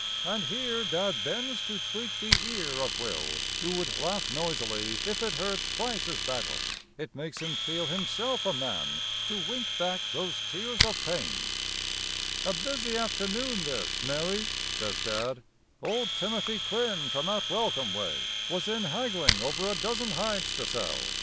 And here Dad bends to tweak the ear of Will who would laugh noisily if it hurt twice as badly. It makes him feel himself a man to wink back those tears of pain. [Illustration: "Dad bends to tweak the ear of Will"] "A busy afternoon this, Mary," says Dad. "Old Timothy Quinn from out Welcombe way was in haggling over a dozen hides to sell.